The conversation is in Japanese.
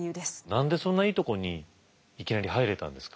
何でそんないいところにいきなり入れたんですか？